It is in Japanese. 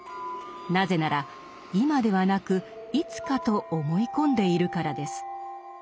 なぜなら「今ではなくいつか」と思い込んでいるからです。